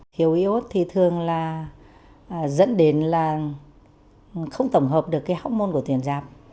thiếu iốt thì thường là dẫn đến là không tổng hợp được cái hormôn của tuyển giáp